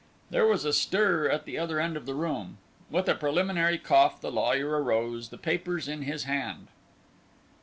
There was a stir at the other end of the room. With a preliminary cough, the lawyer rose, the papers in his hand.